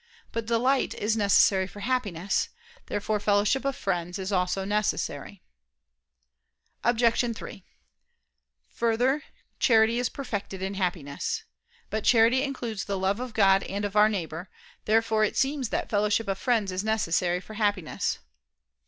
But delight is necessary for Happiness. Therefore fellowship of friends is also necessary. Obj. 3: Further, charity is perfected in Happiness. But charity includes the love of God and of our neighbor. Therefore it seems that fellowship of friends is necessary for Happiness.